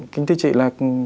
kính thưa chị là